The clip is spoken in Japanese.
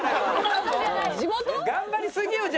頑張りすぎよじゃあ。